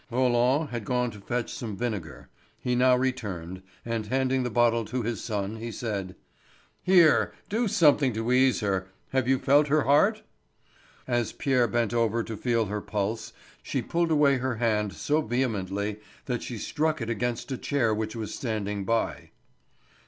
Roland had gone to fetch some vinegar; he now returned, and handing the bottle to his son he said: "Here—do something to ease her. Have you felt her heart?" As Pierre bent over her to feel her pulse she pulled away her hand so vehemently that she struck it against a chair which was standing by.